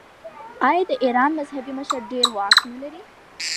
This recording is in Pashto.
آیا د ایران مذهبي مشر ډیر واک نلري؟